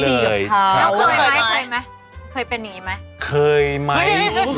แล้วเคยไหม